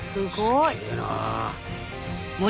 すげえな。